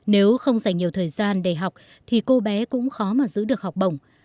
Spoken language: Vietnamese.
nếu không dành nhiều thời gian để học thì cô bé cũng khó mà giữ được học bổng